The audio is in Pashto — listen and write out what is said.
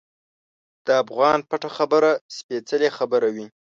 د افغان پټه خبره سپیڅلې خبره وي.